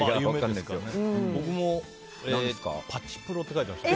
僕もパチプロって書いてました。